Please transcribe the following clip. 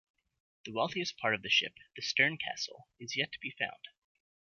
The wealthiest part of the ship, the stern castle, is yet to be found.